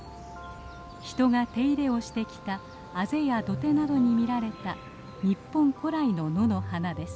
人が手入れをしてきたあぜや土手などに見られた日本古来の野の花です。